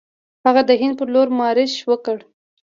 هغه د هند پر لور مارش وکړ.